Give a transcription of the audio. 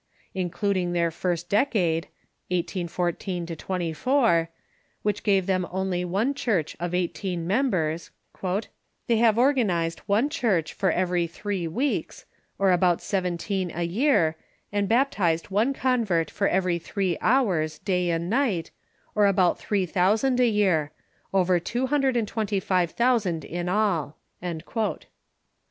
In cluding their first decade (1814 24), which gave them onl}" one church of eighteen members, " they have organized one church for every three weeks, or about seventeen a year, and baptized one convert for every three hours, day and night, or about three thousand a year — over two hundred and twenty five THE BAPTIST CHURCH 519 thousand in all."